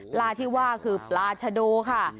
ปลาที่ว่าคือปลาชะโดค่ะ